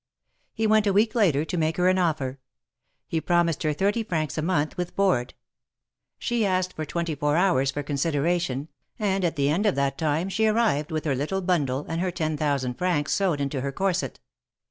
He went a week later to make her an offer; he promised her thirty francs a month with board. She asked twenty four hours for consideration, and at the end of that time she arrived with her little bundle and her ten thousand francs sewed into her corset.